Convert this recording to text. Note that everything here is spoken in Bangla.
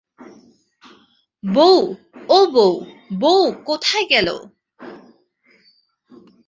বউ, ও বউ, বউ কোথায় গেল।